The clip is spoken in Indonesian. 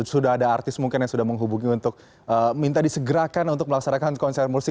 sudah ada artis mungkin yang sudah menghubungi untuk minta disegerakan untuk melaksanakan konser musik